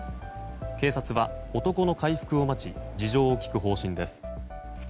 警察は、男の回復を待ち事情を聴く方針です。